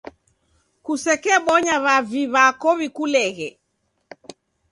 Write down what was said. kusekebonya w'avi w'ako w'ikuleghe.